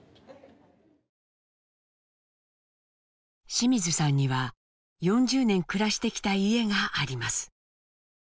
清水さんには４０年暮らしてきた家があります。